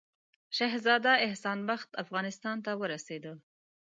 شهزاده احسان بخت افغانستان ته ورسېدی.